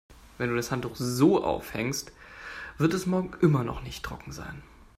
Wenn du das Handtuch so aufhängst, wird es morgen immer noch nicht trocken sein.